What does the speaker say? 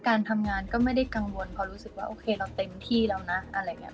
การทำงานก็ไม่ได้กังวลเพราะรู้สึกว่าโอเคเราเต็มที่แล้วนะอะไรอย่างนี้